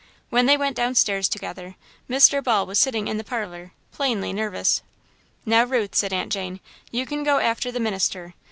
When they went downstairs together, Mr. Ball was sitting in the parlour, plainly nervous. "Now Ruth," said Aunt Jane, "you can go after the minister.